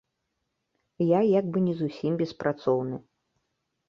Я як бы не зусім беспрацоўны.